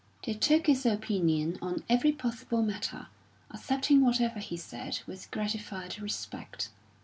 They took his opinion on every possible matter, accepting whatever he said with gratified respect.